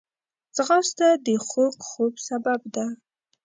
ځغاسته د خوږ خوب سبب ده